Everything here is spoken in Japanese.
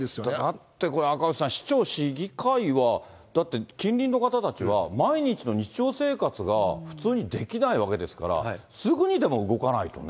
だってこれ、赤星さん、市長、市議会は、だって、近隣の方たちは、毎日の日常生活が普通にできないわけですから、すぐにでも動かないとね。